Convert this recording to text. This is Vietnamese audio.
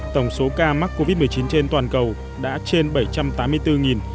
tổng số ca mắc covid một mươi chín trên toàn cầu đã trên bảy trăm tám mươi bốn